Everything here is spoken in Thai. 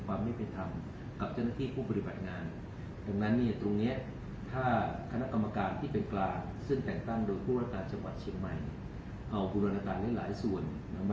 ก็ถึงไงถ้าคณะกรรมการที่เป็นกลางซึ่งแปลงตั้งโดยกินการหลายส่วน